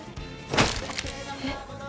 えっ？